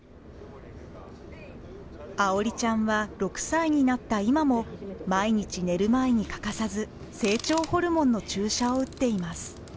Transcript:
愛織ちゃんは６歳になった今も毎日寝る前に欠かさず成長ホルモンの注射を打っています。